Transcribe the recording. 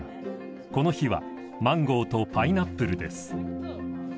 この日はマンゴーとパイナップルです。